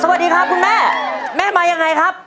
สวัสดีครับคุณแม่แม่มายังไงครับ